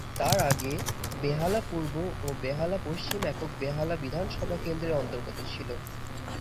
তার আগে বেহালা পূর্ব ও বেহালা পশ্চিম একক বেহালা বিধানসভা কেন্দ্রের অন্তর্গত ছিল।